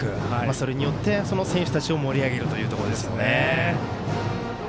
それによって選手たちを盛り上げるというところですよね。